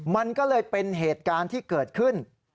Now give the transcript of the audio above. มันก็เลยเป็นเหตุการณ์ที่เกิดขึ้น